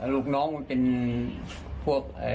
ลูกน้องมันเป็นพวก